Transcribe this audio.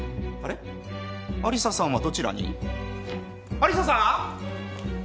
有沙さーん？